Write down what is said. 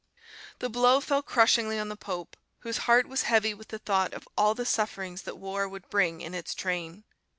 The blow fell crushingly on the pope, whose heart was heavy with the thought of all the sufferings that war would bring in its train.